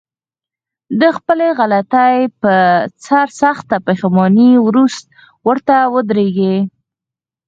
د خپلې غلطي په سر سخته پښېماني ورته ودرېږي.